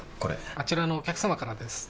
あちらのお客様からです。